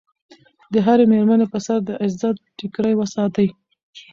د هرې مېرمنې په سر د عزت ټیکری وساتئ.